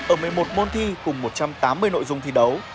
ở một mươi một môn thi cùng một trăm tám mươi nội dung thi đấu